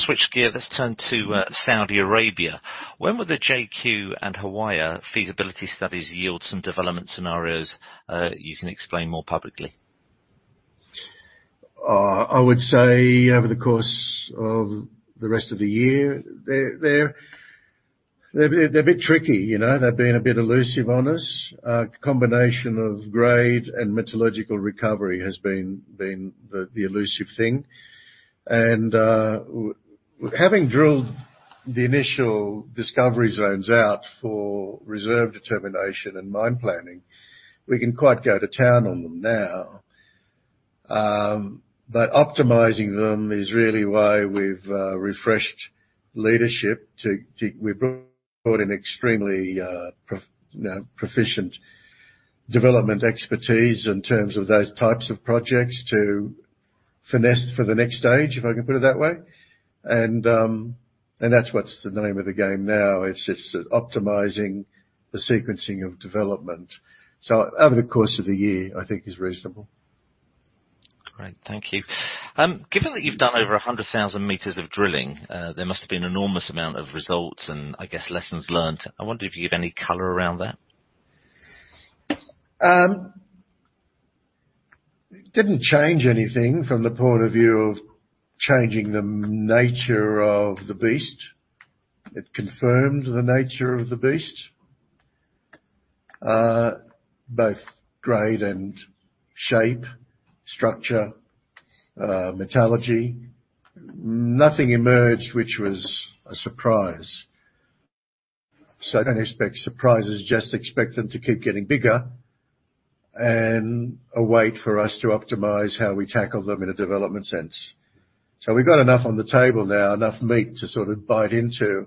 switch gear. Let's turn to Saudi Arabia. When will the JQ and Hawiah feasibility studies yield some development scenarios you can explain more publicly? I would say over the course of the rest of the year. They're a bit tricky, you know. They've been a bit elusive on us. A combination of grade and metallurgical recovery has been the elusive thing. We, having drilled the initial discovery zones out for reserve determination and mine planning, can quite go to town on them now. Optimizing them is really why we've refreshed leadership. We've brought in extremely, you know, proficient development expertise in terms of those types of projects to finesse for the next stage, if I can put it that way. That's what's the name of the game now. It's optimizing the sequencing of development. Over the course of the year, I think is reasonable. Great. Thank you. Given that you've done over 100,000 meters of drilling, there must have been an enormous amount of results and I guess lessons learned. I wonder if you give any color around that. Didn't change anything from the point of view of changing the nature of the beast. It confirmed the nature of the beast, both grade and shape, structure, metallurgy. Nothing emerged, which was a surprise. I don't expect surprises, just expect them to keep getting bigger and a way for us to optimize how we tackle them in a development sense. We've got enough on the table now, enough meat to sort of bite into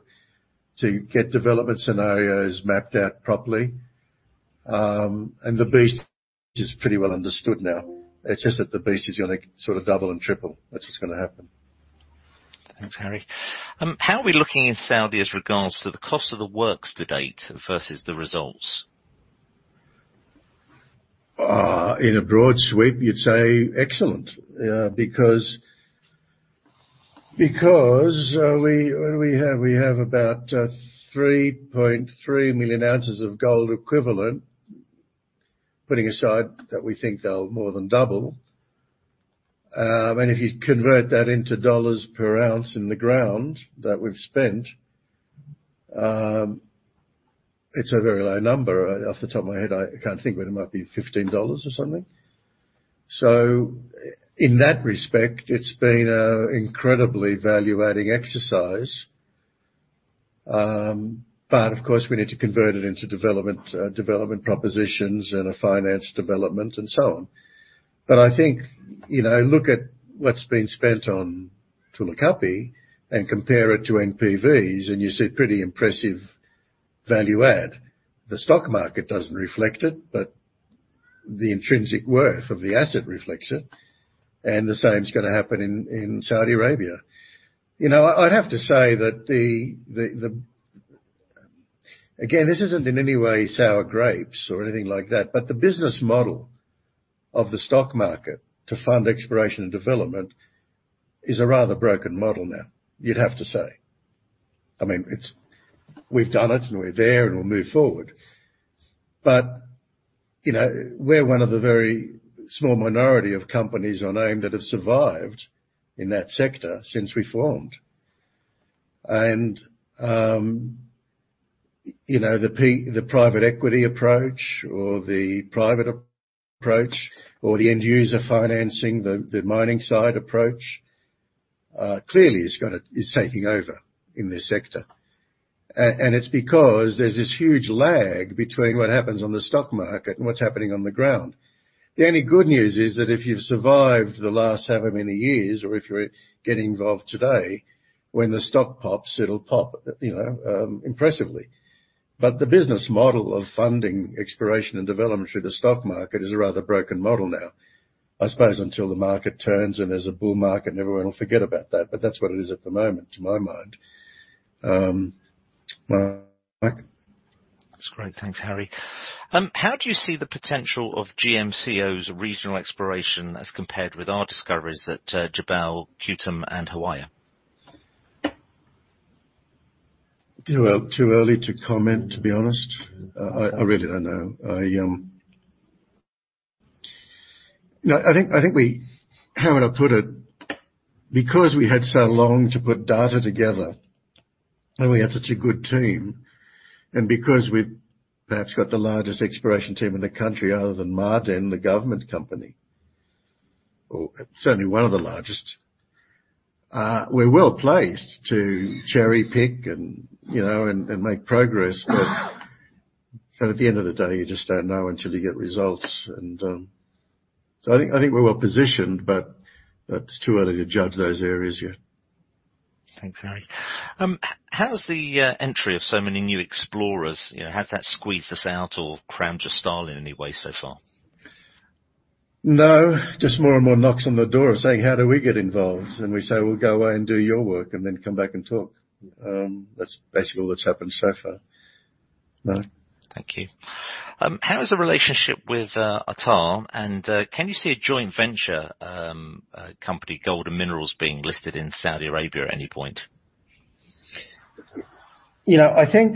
to get development scenarios mapped out properly. The beast is pretty well understood now. It's just that the beast is gonna sort of double and triple. That's what's gonna happen. Thanks, Harry. How are we looking in Saudi as regards to the cost of the works to date versus the results? In a broad sweep, you'd say excellent, because we... What do we have? We have about 3.3 million ounces of gold equivalent, putting aside that we think they'll more than double. If you convert that into dollars per ounce in the ground that we've spent, it's a very low number. Off the top of my head, I can't think, but it might be $15 or something. In that respect, it's been an incredibly value-adding exercise. Of course, we need to convert it into development propositions and a finance development and so on. I think, you know, look at what's been spent on Tulu Kapi and compare it to NPVs and you see pretty impressive value add. The stock market doesn't reflect it, but the intrinsic worth of the asset reflects it, and the same is gonna happen in Saudi Arabia. You know, I'd have to say that again, this isn't in any way sour grapes or anything like that, but the business model of the stock market to fund exploration and development is a rather broken model now, you'd have to say. I mean, it's. We've done it, and we're there, and we'll move forward. You know, we're one of the very small minority of companies on AIM that have survived in that sector since we formed. You know, the private equity approach or the private approach or the end user financing, the mining side approach clearly is taking over in this sector. It's because there's this huge lag between what happens on the stock market and what's happening on the ground. The only good news is that if you've survived the last however many years or if you're getting involved today, when the stock pops, it'll pop, you know, impressively. The business model of funding exploration and development through the stock market is a rather broken model now. I suppose until the market turns and there's a bull market and everyone will forget about that, but that's what it is at the moment, to my mind. That's great. Thanks, Harry. How do you see the potential of GMCO's regional exploration as compared with our discoveries at Jabal Qutman and Hawiah? You know, too early to comment, to be honest. I really don't know. No, I think. How would I put it? Because we had so long to put data together, and we had such a good team, and because we've perhaps got the largest exploration team in the country other than Ma'aden, the government company, or certainly one of the largest, we're well placed to cherry pick and, you know, make progress. But at the end of the day, you just don't know until you get results. I think we're well positioned, but it's too early to judge those areas yet. Thanks, Harry. How's the entry of so many new explorers? You know, has that squeezed us out or crammed your style in any way so far? No. Just more and more knocks on the door saying, "How do we get involved?" We say, "Well, go away and do your work and then come back and talk." That's basically what's happened so far. No. Thank you. How is the relationship with ARTAR, and can you see a joint venture company, Gold and Minerals Company, being listed in Saudi Arabia at any point? You know, I think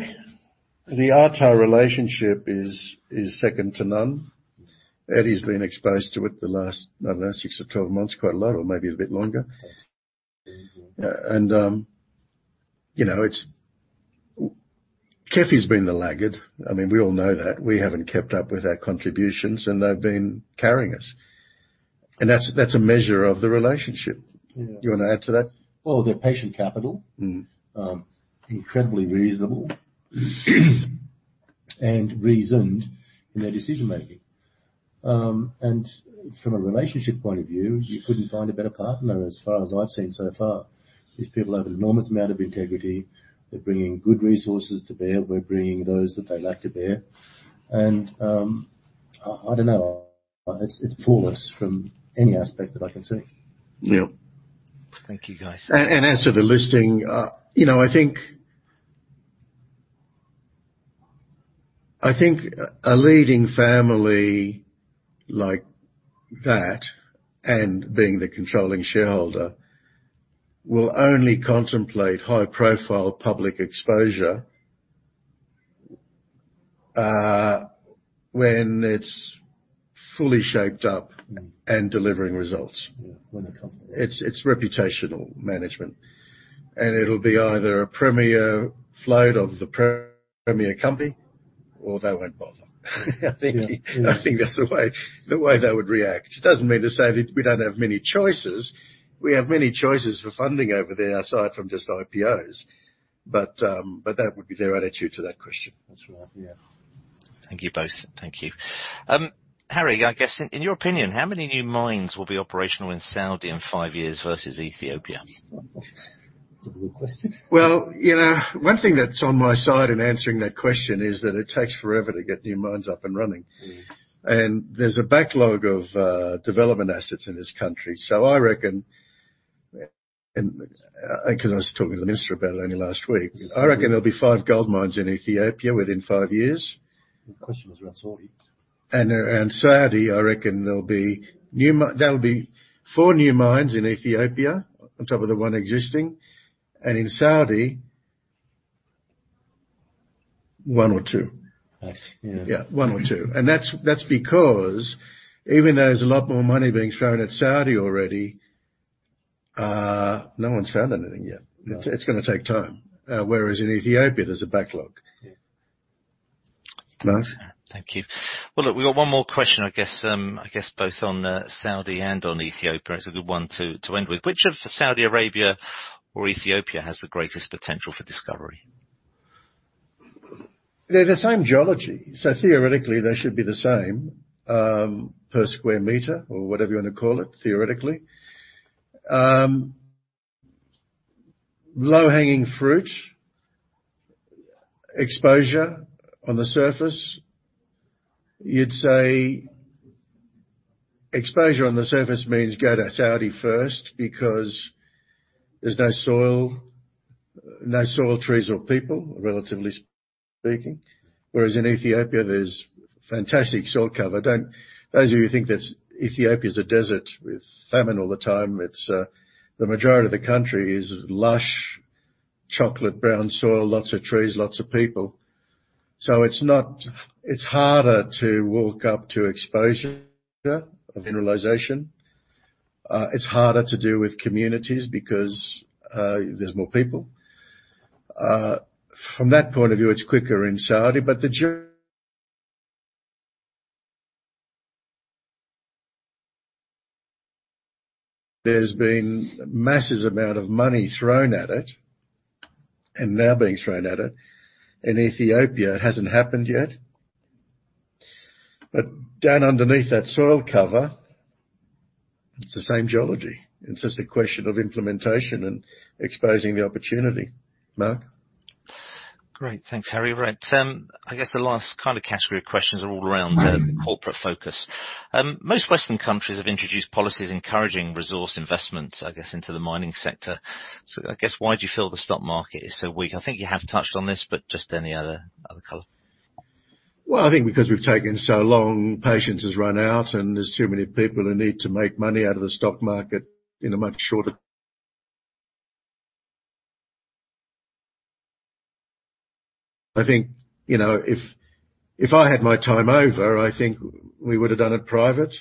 the ARTAR relationship is second to none. Eddie's been exposed to it the last, I don't know, six or 12 months, quite a lot, or maybe a bit longer. You know, it's KEFI's been the laggard. I mean, we all know that. We haven't kept up with our contributions, and they've been carrying us. That's a measure of the relationship. Yeah. Do you wanna add to that? Well, they're patient capital. Mm-hmm. Incredibly reasonable and reasoned in their decision-making. From a relationship point of view, you couldn't find a better partner as far as I've seen so far. These people have an enormous amount of integrity. They're bringing good resources to bear. We're bringing those that they lack to bear. I don't know. It's flawless from any aspect that I can see. Yeah. Thank you, guys. As to the listing, you know, I think a leading family like that and being the controlling shareholder will only contemplate high-profile public exposure when it's fully shaped up. Mm-hmm. Delivering results. Yeah. When they're comfortable. It's reputational management. It'll be either a premier float of the premier company or they won't bother. I think. Yeah. Yeah. I think that's the way they would react. It doesn't mean to say that we don't have many choices. We have many choices for funding over there aside from just IPOs. That would be their attitude to that question. That's right. Yeah. Thank you both. Thank you. Harry, I guess in your opinion, how many new mines will be operational in Saudi in five years versus Ethiopia? That's a good question. Well, you know, one thing that's on my side in answering that question is that it takes forever to get new mines up and running. Mm-hmm. There's a backlog of development assets in this country. I reckon, 'cause I was talking to the minister about it only last week. I reckon there'll be five gold mines in Ethiopia within five years. The question was around Saudi. Saudi, I reckon there'll be four new mines in Ethiopia on top of the one existing, and in Saudi, one or two. Nice. Yeah. Yeah. One or two. That's because even though there's a lot more money being thrown at Saudi already, no one's found anything yet. No. It's gonna take time. Whereas in Ethiopia, there's a backlog. Yeah. Mark? Thank you. Well, look, we got one more question, I guess both on Saudi and on Ethiopia. It's a good one to end with. Which of Saudi Arabia or Ethiopia has the greatest potential for discovery? They're the same geology, so theoretically, they should be the same, per square meter or whatever you wanna call it, theoretically. Low-hanging fruit, exposure on the surface, you'd say exposure on the surface means go to Saudi first because there's no soil, trees or people, relatively speaking. Whereas in Ethiopia, there's fantastic soil cover. Those of you who think that Ethiopia is a desert with famine all the time, it's. The majority of the country is lush, chocolate brown soil, lots of trees, lots of people. It's not. It's harder to walk up to exposure of mineralization. It's harder to do with communities because, there's more people. From that point of view, it's quicker in Saudi, but there's been massive amount of money thrown at it and now being thrown at it. In Ethiopia, it hasn't happened yet. Down underneath that soil cover, it's the same geology. It's just a question of implementation and exposing the opportunity. Mark. Great. Thanks, Harry. Right. I guess the last kind of category of questions are all around corporate focus. Most Western countries have introduced policies encouraging resource investment, I guess, into the mining sector. I guess why do you feel the stock market is so weak? I think you have touched on this, but just any other color. I think because we've taken so long, patience has run out, and there's too many people who need to make money out of the stock market in a much shorter. I think, you know, if I had my time over, I think we would've done it private.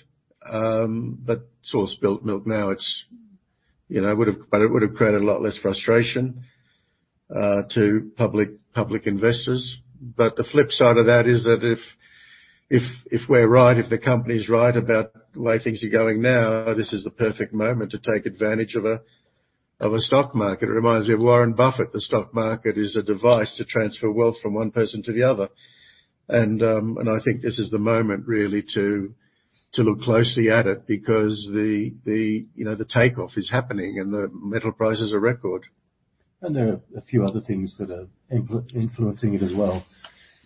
It's all spilled milk now. It would've created a lot less frustration to public investors. The flip side of that is that if we're right, if the company is right about the way things are going now, this is the perfect moment to take advantage of a stock market. It reminds me of Warren Buffett. The stock market is a device to transfer wealth from one person to the other. I think this is the moment, really, to look closely at it because, you know, the takeoff is happening and the metal price is a record. There are a few other things that are influencing it as well.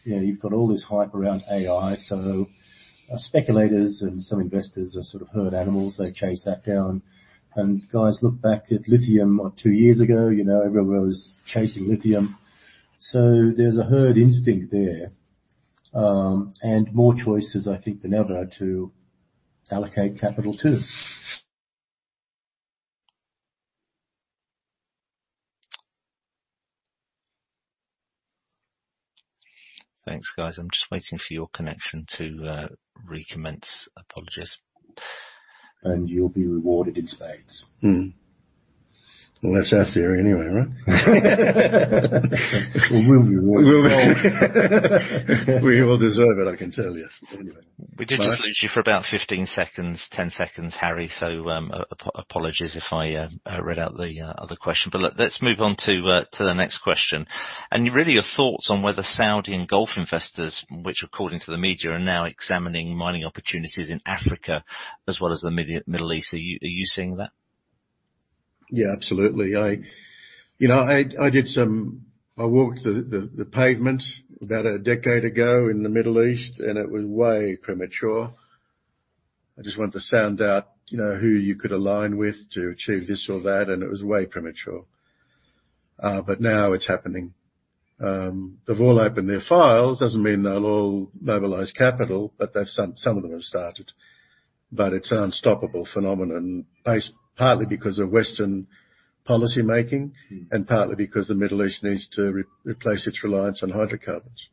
You know, you've got all this hype around AI, so speculators and some investors are sort of herd animals. They chase that down. Guys look back at lithium about two years ago. You know, everyone was chasing lithium. There's a herd instinct there, and more choices, I think, than ever to allocate capital to. Thanks, guys. I'm just waiting for your connection to recommence. Apologies. You'll be rewarded in spades. Mm-hmm. Well, that's our theory anyway, right? We will be rewarded. We will deserve it, I can tell you. Anyway. We did just lose you for about 15 seconds, 10 seconds, Harry, so apologies if I read out the other question. Let's move on to the next question. Really your thoughts on whether Saudi and Gulf investors, which according to the media, are now examining mining opportunities in Africa as well as the Middle East. Are you seeing that? Yeah, absolutely. I walked the pavement about a decade ago in the Middle East, and it was way premature. I just wanted to sound out, you know, who you could align with to achieve this or that, and it was way premature. Now it's happening. They've all opened their files. Doesn't mean they'll all mobilize capital, but some of them have started. It's an unstoppable phenomenon based partly because of Western policy making. Mm-hmm. Partly because the Middle East needs to replace its reliance on hydrocarbons.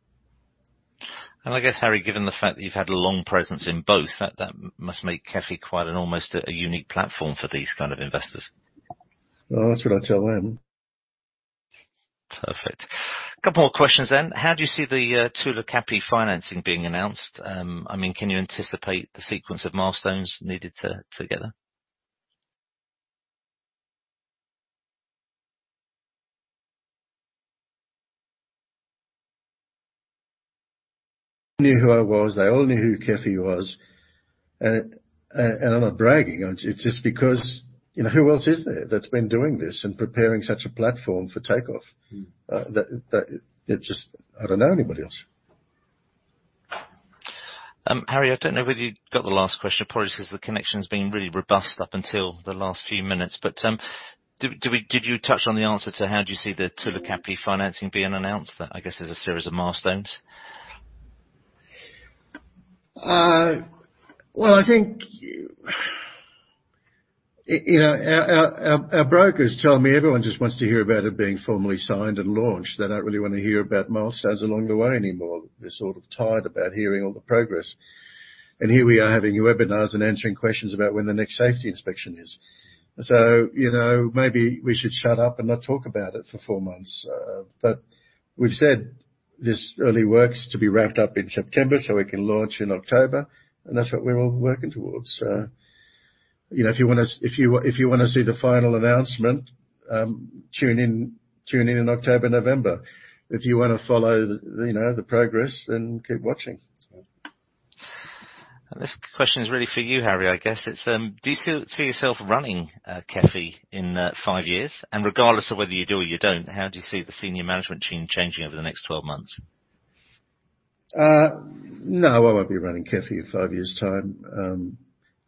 I guess, Harry, given the fact that you've had a long presence in both, that must make KEFI quite an almost a unique platform for these kind of investors. Well, that's what I tell them. Perfect. A couple more questions then. How do you see the Tulu Kapi financing being announced? I mean, can you anticipate the sequence of milestones needed together? knew who I was, they all knew who KEFI was. I'm not bragging. It's just because, you know, who else is there that's been doing this and preparing such a platform for takeoff? Mm. That it just, I don't know anybody else. Harry, I don't know whether you got the last question. Apologies, 'cause the connection's been really robust up until the last few minutes. Did you touch on the answer to how do you see the Tulu Kapi financing being announced? That, I guess, is a series of milestones. Well, I think you know, our brokers tell me everyone just wants to hear about it being formally signed and launched. They don't really wanna hear about milestones along the way anymore. They're sort of tired of hearing all the progress. Here we are having webinars and answering questions about when the next safety inspection is. You know, maybe we should shut up and not talk about it for four months. We've said this early work's to be wrapped up in September, so we can launch in October, and that's what we're all working towards. You know, if you wanna see the final announcement, tune in in October, November. If you wanna follow the you know the progress, then keep watching. Yeah. This question is really for you, Harry, I guess. It's, do you see yourself running KEFI in five years? Regardless of whether you do or you don't, how do you see the senior management team changing over the next 12 months? No, I won't be running KEFI in five years' time.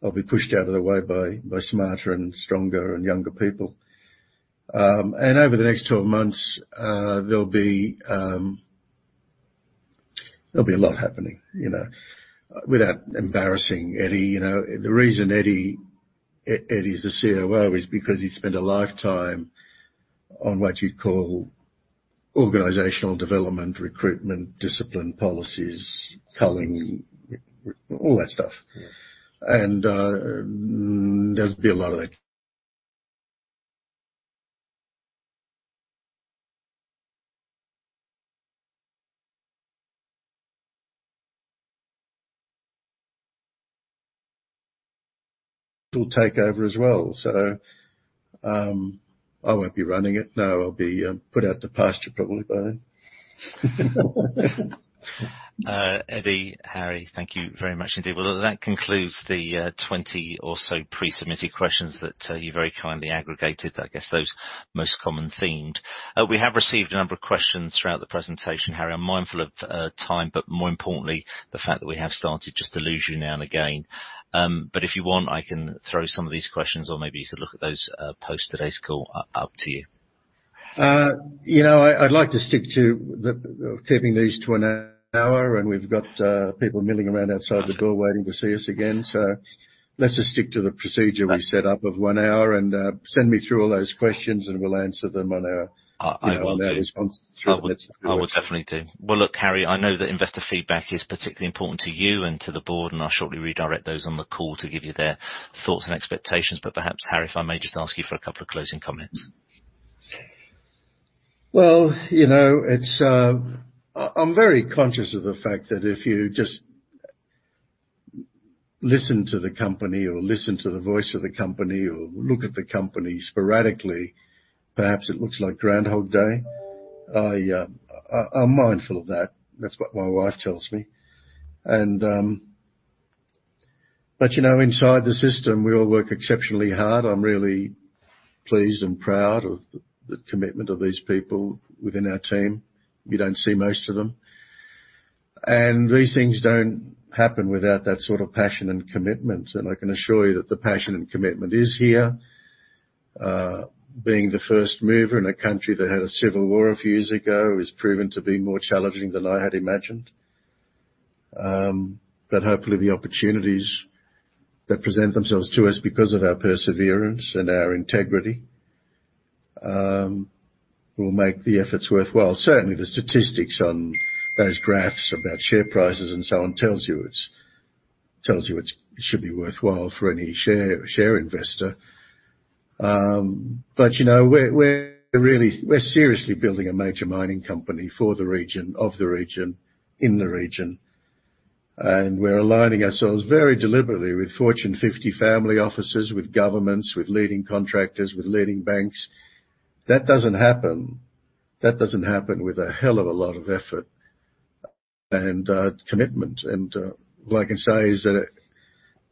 I'll be pushed out of the way by smarter and stronger and younger people. Over the next 12 months, there'll be a lot happening, you know. Without embarrassing Eddie, you know, the reason Eddie's the COO is because he spent a lifetime on what you'd call organizational development, recruitment, discipline, policies, culling, all that stuff. Yes. There's been a lot of that. We'll take over as well. I won't be running it. No, I'll be put out to pasture probably by then. Eddie, Harry, thank you very much indeed. Well, that concludes the 20 or so pre-submitted questions that you very kindly aggregated. I guess those most common themed. We have received a number of questions throughout the presentation. Harry, I'm mindful of time, but more importantly, the fact that we have started just to lose you now and again. But if you want, I can throw some of these questions or maybe you could look at those post-today's call. Up to you. You know, I'd like to stick to keeping these to an hour, and we've got people milling around outside the door waiting to see us again. Let's just stick to the procedure we set up of one hour and send me through all those questions and we'll answer them on our response. I will definitely do. Well, look, Harry, I know that investor feedback is particularly important to you and to the board, and I'll shortly redirect those on the call to give you their thoughts and expectations. Perhaps, Harry, if I may just ask you for a couple of closing comments. Well, you know, it's. I'm very conscious of the fact that if you just listen to the company or listen to the voice of the company or look at the company sporadically, perhaps it looks like Groundhog Day. I'm mindful of that. That's what my wife tells me. But you know, inside the system, we all work exceptionally hard. I'm really pleased and proud of the commitment of these people within our team. You don't see most of them. These things don't happen without that sort of passion and commitment. I can assure you that the passion and commitment is here. Being the first mover in a country that had a civil war a few years ago has proven to be more challenging than I had imagined. Hopefully the opportunities that present themselves to us because of our perseverance and our integrity will make the efforts worthwhile. Certainly, the statistics on those graphs about share prices and so on tells you it's it should be worthwhile for any share investor. You know, we're seriously building a major mining company for the region, of the region, in the region. We're aligning ourselves very deliberately with Fortune fifty family offices, with governments, with leading contractors, with leading banks. That doesn't happen with a hell of a lot of effort and commitment. All I can say is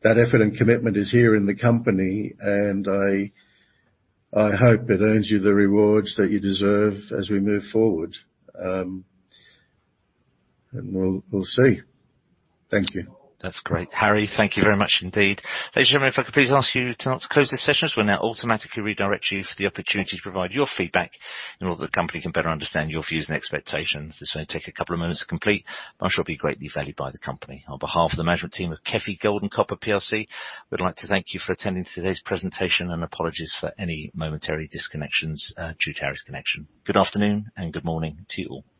that effort and commitment is here in the company, and I hope it earns you the rewards that you deserve as we move forward. We'll see. Thank you. That's great. Harry, thank you very much indeed. Ladies and gentlemen, if I could please ask you to close this session as we'll now automatically redirect you for the opportunity to provide your feedback in order that the company can better understand your views and expectations. This may take a couple of moments to complete, but I'm sure it'll be greatly valued by the company. On behalf of the management team of KEFI Gold and Copper Plc, we'd like to thank you for attending today's presentation and apologies for any momentary disconnections due to Harry's connection. Good afternoon and good morning to you all.